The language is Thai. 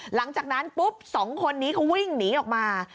หลังจากนั้นปุ๊บสองคนนี้เขาวิ่งหนีออกมา